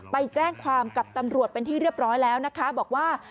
ไปแจ้งความกับตำรวจเป็นที่เรียบร้อยแล้วนะคะบอกว่า